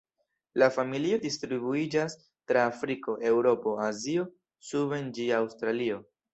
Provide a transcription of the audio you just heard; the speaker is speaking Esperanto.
La familio distribuiĝas tra Afriko, Eŭropo, Azio suben ĝis Aŭstralio.